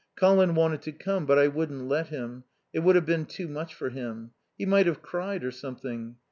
"Colin wanted to come, but I wouldn't let him. It would have been too much for him. He might have cried or something